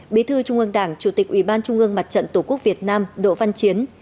bí thư trung ương đảng chủ tịch ủy ban trung ương mặt trận tổ quốc việt nam độ văn chiến